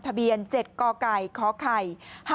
ทะเบียน๗กไก่ขไข่๕๗